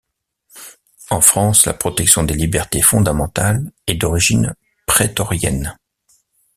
En France, la protection des libertés fondamentales est d'origine prétorienne.